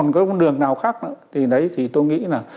nếu còn có đường nào khác thì tôi nghĩ là